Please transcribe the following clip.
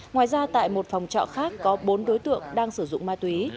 ngoài ra tại một phòng trọ khác có bốn đối tượng đang sử dụng ma túy